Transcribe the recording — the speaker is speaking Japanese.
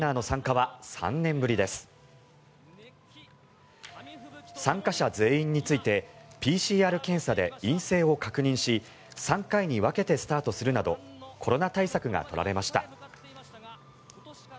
参加者全員についてＰＣＲ検査で陰性を確認し３回に分けてスタートするなどコロナ対策が取られました。